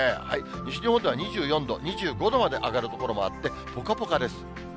西日本では２４度、２５度まで上がる所もあって、ぽかぽかです。